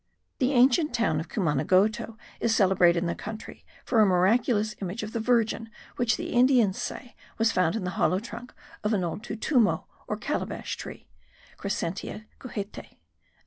The ancient town of Cumanagoto is celebrated in the country for a miraculous image of the Virgin,* which the Indians say was found in the hollow trunk of an old tutumo, or calabash tree (Crescentia cujete).